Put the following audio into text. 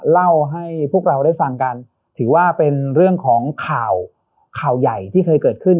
เล่าให้พวกเราได้ฟังกันถือว่าเป็นเรื่องของข่าวข่าวใหญ่ที่เคยเกิดขึ้น